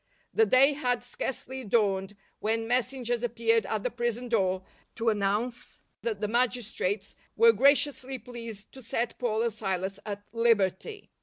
The day had sca.rcely dawned when messengers appeared at the prison door to announce that the magistrates were gra ciously pleased to set Paul and Silas at liberty.